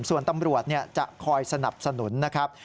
ส่วนตำรวจจะคอยสนับสนุนนะครับ